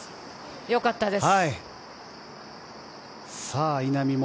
よかったです。